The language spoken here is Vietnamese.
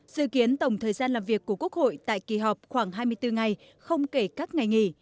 dự kiến tổng thời gian làm việc của quốc hội tại kỳ họp khoảng hai mươi bốn ngày không kể các ngày nghỉ